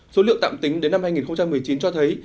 số liệu tạm tính đến năm hai nghìn một mươi chín cho thấy